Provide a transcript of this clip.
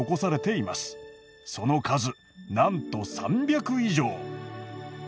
その数なんと３００以上。